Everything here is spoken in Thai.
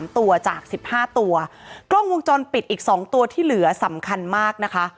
ตัวจาก๑๕ตัวกล้องวงจรปิดอีก๒ตัวที่เหลือสำคัญมากนะคะ